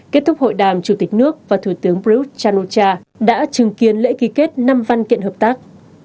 kết thúc hội đàm chủ tịch nước và thủ tướng bruce chanucha đã chứng kiến lễ ký kết năm văn kiện hợp tác